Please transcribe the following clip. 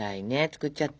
作っちゃった！